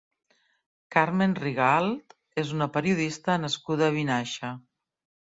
Carmen Rigalt és una periodista nascuda a Vinaixa.